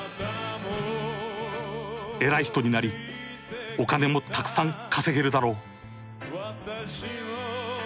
「偉い人になりお金も沢山稼げるだろう」。